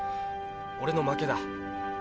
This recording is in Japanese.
俺の負けだ。